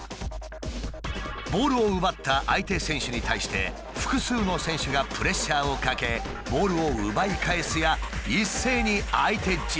ボールを奪った相手選手に対して複数の選手がプレッシャーをかけボールを奪い返すや一斉に相手陣内へ攻め込んでいる。